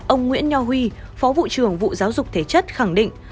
ông nguyễn nho huy phó vụ trưởng vụ giáo dục thể chất khẳng định